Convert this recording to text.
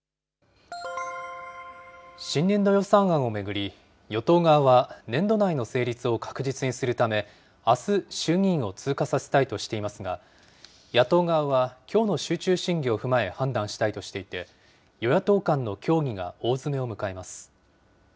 新年度予算案を巡り、与党側は年度内の成立を確実にするため、あす、衆議院を通過させたいとしていますが、野党側はきょうの集中審議を踏まえ判断したいとしていて、与野党間の協議が大詰めを迎えます。